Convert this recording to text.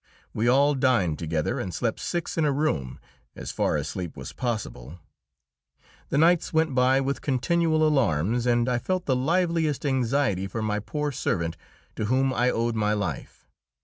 We all dined together and slept six in a room as far as sleep was possible. The nights went by with continual alarms, and I felt the liveliest anxiety for my poor servant, to whom I owed my life.